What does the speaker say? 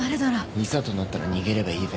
いざとなったら逃げればいいべ。